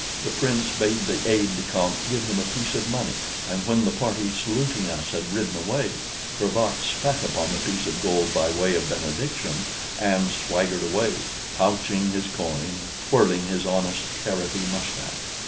The prince bade the aide de camp give him a piece of money; and when the party saluting us had ridden away, Cravat spat upon the piece of gold by way of benediction, and swaggered away, pouching his coin and twirling his honest carroty moustache.